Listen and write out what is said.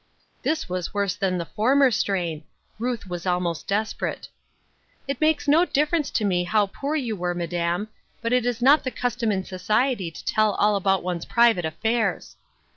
This was worse than the former strain. Ruth was almost desperate :" It makes no difference to me how poor you were. Madam, but it is not the custom in society to teU all about one's private affairs."